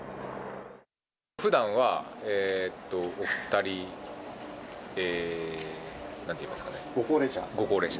ふだんはお２人、なんていいご高齢者？